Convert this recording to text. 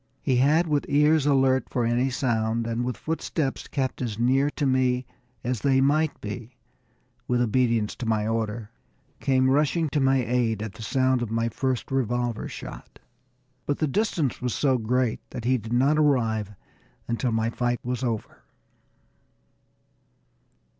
He had, with ears alert for any sound, and with footsteps kept as near to me as they might be with obedience to my order, come rushing to my aid at the sound at my first revolver shot. But the distance was so great that he did not arrive until my fight was over.